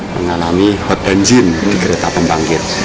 mengalami hot engine di kereta pembangkit